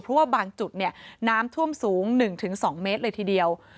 เพราะว่าบางจุดน้ำท่วมสูง๑๒เมตรเลยทีเดียว